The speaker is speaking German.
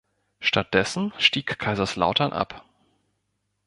Stattdessen stieg Kaiserslautern ab.